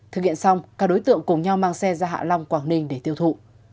thực hiện xong các đối tượng cùng nhau mang xe ra hạ long quảng ninh để tiêu thụ